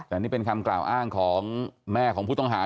แต่นี่เป็นคำกล่าวอ้างของแม่ของผู้ต้องหา